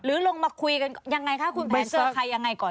ลงมาคุยกันยังไงคะคุณแผนเจอใครยังไงก่อน